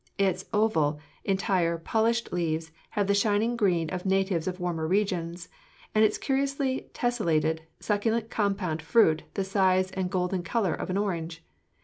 Its oval, entire, polished leaves have the shining green of natives of warmer regions, and its curiously tesselated, succulent compound fruit the size and golden color of an orange.